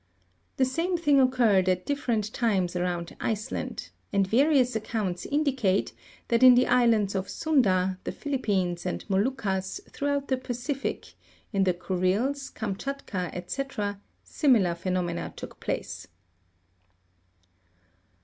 The same thing occurred, at different times, around Iceland : and various accounts indicate that in the islands of Sunda, the Philippines and Moluccas, throughout the Pacific, in the Kuriles, Kamtschatka, &c., similar phenomena took place.